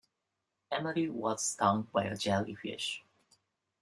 Emily was stung by a jellyfish.